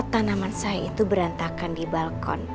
tanaman saya itu berantakan di balkon